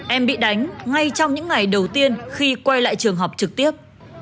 em bị đánh ngay trong những ngày đầu tiên khi quay lại trường học trực tiếp